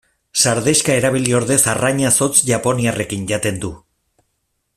Sardexka erabili ordez arraina zotz japoniarrekin jaten du.